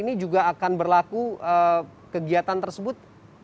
ini juga akan berlaku kegiatan tersebut